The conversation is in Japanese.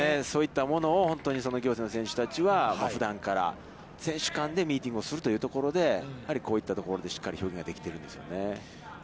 そういったものを仰星の選手たちはふだんから選手間でミーティングをするというところでやはりこういったところでしっかり表現ができているんですよね。